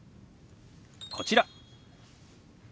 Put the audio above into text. こちら。